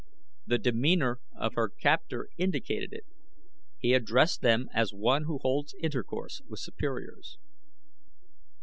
The demeanor of her captor indicated it. He addressed them as one who holds intercourse with superiors.